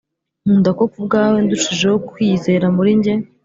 nkunda ko kubwawe ndushijeho kwiyizera muri njye